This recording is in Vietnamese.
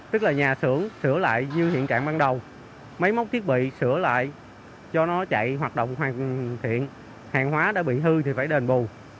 tức là nhà sửa lại như hiện trạng ban đầu máy móc thiết bị sửa lại cho nó chạy hoạt động hoàn thiện hàng hóa đã bị hư thì phải đền bù